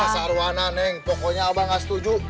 wah sarwana neng pokoknya abah gak setuju